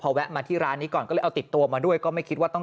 แวะมาที่ร้านนี้ก่อนก็เลยเอาติดตัวมาด้วยก็ไม่คิดว่าต้อง